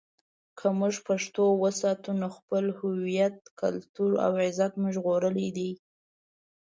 که موږ پښتو وساتو، نو خپل هویت، کلتور او عزت مو ژغورلی دی.